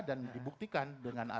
dan dibuktikan dengan anggaran